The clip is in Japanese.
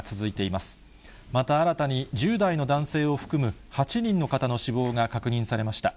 また新たに１０代の男性を含む８人の方の死亡が確認されました。